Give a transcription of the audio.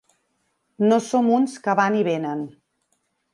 No som uns que van i venen.